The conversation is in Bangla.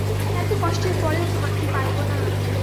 এত কষ্টের পরেও ধন কি পাইব না।